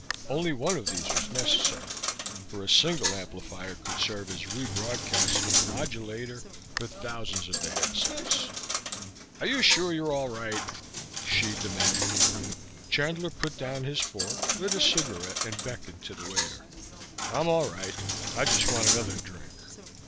Only one of those was necessary, for a single amplifier could serve as re broadcaster modulator for thousands of the headsets. "Are you sure you're all right?" Hsi demanded. Chandler put down his fork, lit a cigarette and beckoned to the waiter. "I'm all right. I just want another drink."